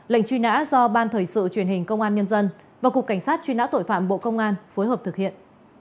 lệnh truy nã do ban thời sự truyền hình công an nhân dân và cục cảnh sát truy nã tội phạm bộ công an phối hợp thực hiện